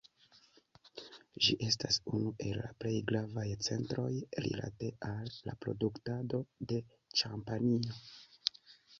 Ĝi estas unu el la plej gravaj centroj rilate al la produktado de ĉampanjo.